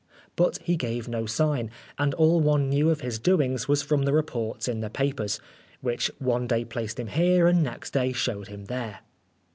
But he gave no sign, and all one knew of his doings was from the reports in the papers, which one day placed him here, and next day showed him there.